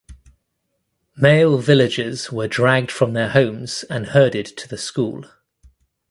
Male villagers were dragged from their homes and herded to the school.